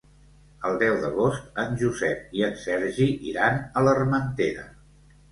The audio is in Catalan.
El deu d'agost en Josep i en Sergi iran a l'Armentera.